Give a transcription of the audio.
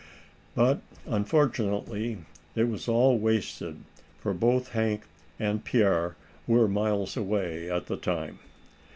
But unfortunately it was all wasted, for both Hank and Pierre were miles away at the time.